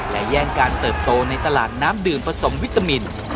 และแย่งการเติบโตในตลาดน้ำดื่มผสมวิตามิน